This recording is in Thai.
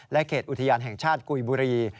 เขตอุทยานแห่งชาติกุยบุรี